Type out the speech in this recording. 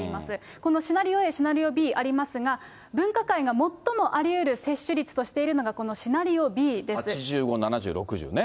このシナリオＡ、シナリオＢ、ありますが、分科会がもっともありうる接種率としているのがこのシナリオＢで８５、７０、６０ね。